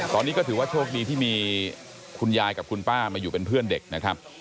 ตอนนี้ก็ถือว่าโชคดีที่มีคุณยายกับคุณป้ามาอยู่เป็นเพื่อนเด็กนะครับ